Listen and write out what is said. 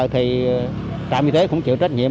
thì trạm y tế cũng chịu trách nhiệm